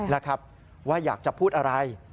นะครับว่าอยากจะพูดอะไร